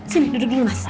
sini duduk dulu mas